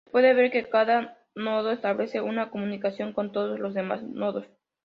Se puede ver que cada nodo establece una comunicación con todos los demás nodos.